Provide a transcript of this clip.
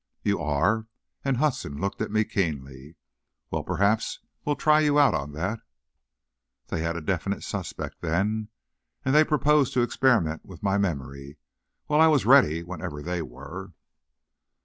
"You are?" and Hudson looked at me keenly. "Well, perhaps we'll try you out on that." They had a definite suspect, then. And they proposed to experiment with my memory. Well, I was ready, whenever they were.